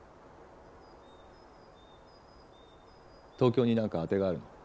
東京に何か当てがあるの？